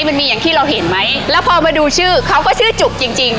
มันมีอย่างที่เราเห็นไหมแล้วพอมาดูชื่อเขาก็ชื่อจุกจริงจริง